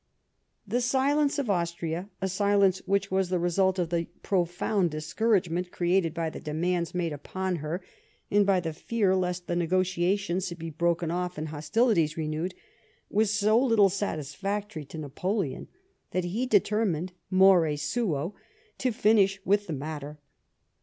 The silence of Austria, a silence which was the result of the profound discouragement created by the demands made upon her and by the fear lest the negotiations should be broken oft' and hostilities renewed, was so little satis factory to Napoleon that he determined, more suo, to finish with the matter.